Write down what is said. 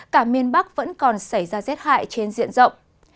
cả miền bắc vẫn còn xảy ra rét hại trên diện rộng